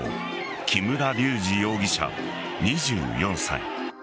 木村隆二容疑者、２４歳。